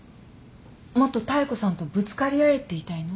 もっと妙子さんとぶつかり合えって言いたいの？